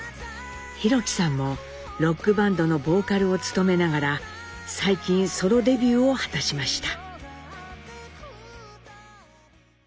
寛樹さんもロックバンドのボーカルを務めながら最近ソロデビューを果たしました。